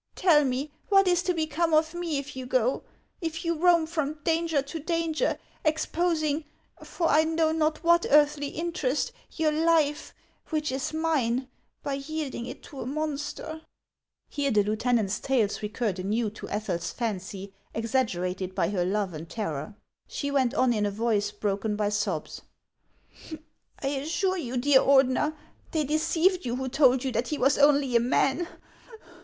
Tell me, what is to become of me if you go ; if you roam from danger to danger, exposing — for I know not what earthly interest — your life, which is mine, by yielding it to a monster ?" Here the lieutenant's tales recurred anew to Ethel's fancy, exaggerated by her love and terror. She went on in a voice broken by sobs :" I assure you, dear Ordener, they deceived you who told you that he was only a man.